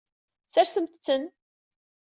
Sersemt-ten.